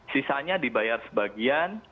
sisanya dibayar sebagian